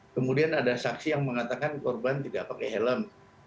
kemudian ada saksi yang mengatakan korban tidak pakai helm